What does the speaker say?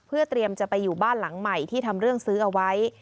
เพื่อเตรียมจะไปอยู่บ้านหลังใหม่ที่ทำเรื่องซื้อเอาไว้